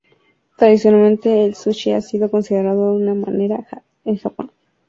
Tradicionalmente el sushi ha sido considerado un manjar en Japón.